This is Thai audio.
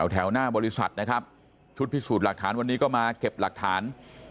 แถวหน้าบริษัทนะครับชุดพิสูจน์หลักฐานวันนี้ก็มาเก็บหลักฐาน